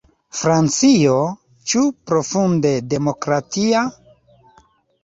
Francio, ĉu profunde demokratia?